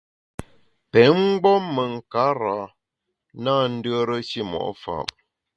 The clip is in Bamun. Pé mgbom me nkarâ na ndùere shimo’ fa’.